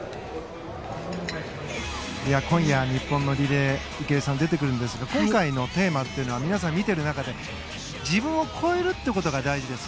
今夜、日本のリレー池江さん、出てくるんですが今回のテーマというのは皆さん見てる中で自分を超えるってことが大事です。